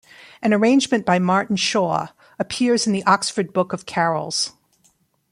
An arrangement by Martin Shaw appears in the "Oxford Book of Carols".